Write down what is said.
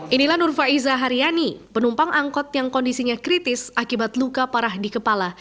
inilah nurfaiza haryani penumpang angkot yang kondisinya kritis akibat luka parah di kepala